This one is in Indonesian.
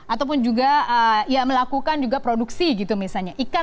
ataupun juga ya melakukan juga produksi gitu misalnya